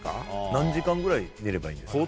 何時間ぐらい寝ればいいんですか？